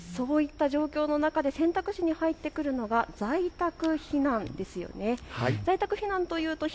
そういった状況の中で選択肢に入ってくるのが在宅避難ですよね。